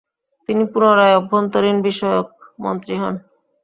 তিনি পুনরায় অভ্যন্তরীণ বিষয়ক মন্ত্রী হন।